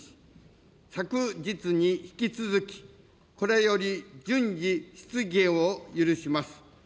昨日に引き続き、これより順次質疑を許します。